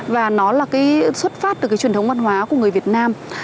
và nó là cái xuất phát từ cái truyền thống văn hóa của người việt nam